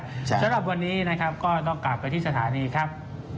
สำหรับวันนี้นะครับก็ต้องกลับไปที่สถานีครับ